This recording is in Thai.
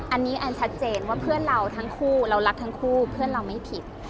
อันนี้แอนชัดเจนว่าเพื่อนเราทั้งคู่เรารักทั้งคู่เพื่อนเราไม่ผิด